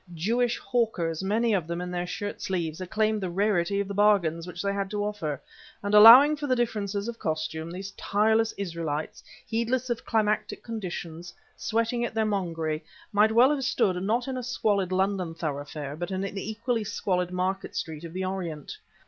Jewish hawkers, many of them in their shirt sleeves, acclaimed the rarity of the bargains which they had to offer; and, allowing for the difference of costume, these tireless Israelites, heedless of climatic conditions, sweating at their mongery, might well have stood, not in a squalid London thoroughfare, but in an equally squalid market street of the Orient.